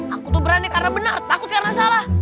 aku tuh berani karena benar takut karena salah